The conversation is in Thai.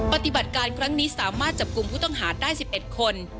ปฏิบัติการครั้งนี้สามารถจับกลุ่มผู้ต้องหาได้๑๑คน